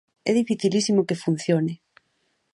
É dificilísimo que funcione.